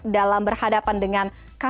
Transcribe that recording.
dalam berhadapan dengan kasus ginjal akut